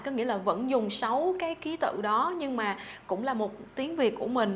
có nghĩa là vẫn dùng sáu cái ký tự đó nhưng mà cũng là một tiếng việt của mình